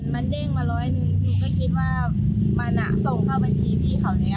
มันเด้งมาร้อยหนึ่งหนูก็คิดว่ามันส่งเข้าบัญชีพี่เขาแล้ว